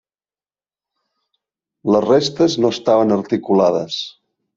Les restes no estaven articulades.